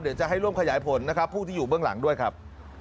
เดี๋ยวจะให้ร่วมขยายผลนะครับผู้ที่อยู่เบื้องหลังด้วยครับ